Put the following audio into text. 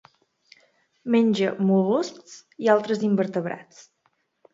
Menja mol·luscs i altres invertebrats.